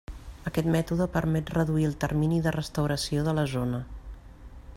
Aquest mètode permet reduir el termini de restauració de la zona.